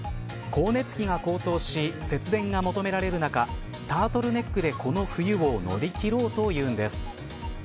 光熱費が高騰し節電が求められる中タートルネックでこの冬を乗り切ろうというんです。